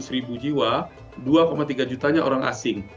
dua ratus ribu jiwa dua tiga juta orang asing